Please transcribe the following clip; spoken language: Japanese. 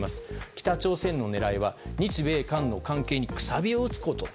北朝鮮の狙いは日米韓の関係にくさびを打つこと。